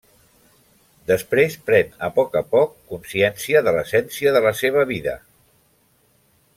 Després pren a poc a poc consciència de l'essència de la seva vida.